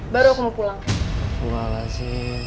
baru aku mau pulang